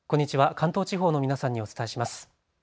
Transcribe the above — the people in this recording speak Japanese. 関東地方の皆さんにお伝えします。